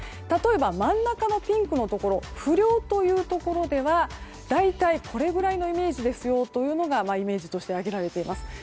例えば、真ん中のピンクのところ不良のところでは大体これぐらいのイメージですよというのがイメージとして挙げられています。